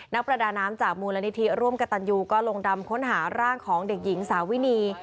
ประดาน้ำจากมูลนิธิร่วมกับตันยูก็ลงดำค้นหาร่างของเด็กหญิงสาวินี